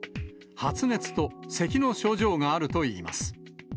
発熱とせきの症状があるといいます。